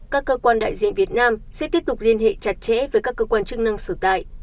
các cơ quan đại diện việt nam sẽ tiếp tục liên hệ chặt chẽ với các cơ quan chức năng sở tại